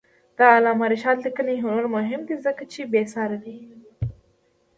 د علامه رشاد لیکنی هنر مهم دی ځکه چې بېسارې دی.